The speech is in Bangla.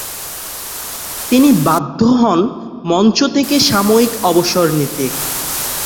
তিনি বাধ্য হন মঞ্চ থেকে সাময়িক অবসর নিতে।